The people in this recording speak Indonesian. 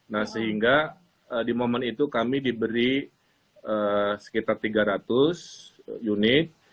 nah sehingga di momen itu kami diberi sekitar tiga ratus unit